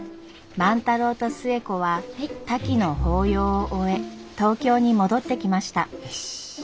万太郎と寿恵子はタキの法要を終え東京に戻ってきました。